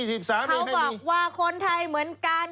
เขาบอกว่าคนไทยเหมือนกัน